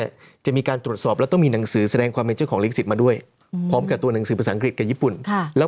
ถามแบบปกป้องเจ้าของฤทธิ์ศรีปว่างนะคะ